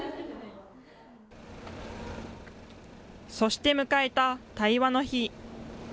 そして迎えた対話の日。